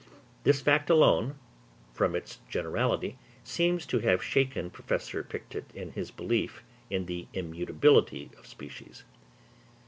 This fact alone, from its generality, seems to have shaken Professor Pictet in his belief in the immutability of species.